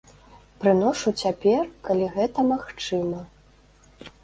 Прыношу цяпер, калі гэта магчыма.